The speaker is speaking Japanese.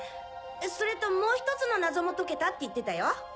それともう一つの謎も解けたって言ってたよ。